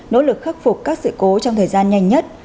nỗ lực khắc phục các sự cố trong thời gian nhanh nhất